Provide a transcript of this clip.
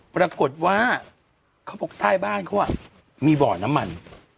ปรากฏว่าเขาบอกใต้บ้านเขามีบ่อน้ำมัน